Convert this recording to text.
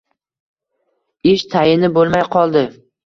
Ish tayini bo‘lmay qoldi.